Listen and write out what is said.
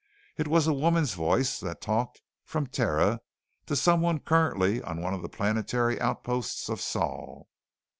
It was a woman's voice that talked from Terra to someone currently on one of the planetary outposts of Sol.